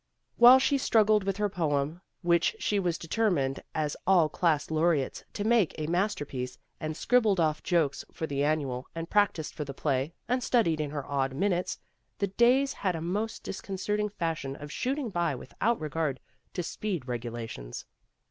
While she struggled with her poem, which she was determined as all class laureates, to make a masterpiece, and scribbled off jokes for the Annual and practised for the play, and studied in her odd minutes, the days had a most dis concerting fashion of shooting by without re gard to speed regulations.